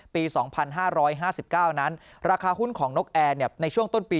ปี๒๕๕๙นั้นราคาหุ้นของนกแอร์ในช่วงต้นปี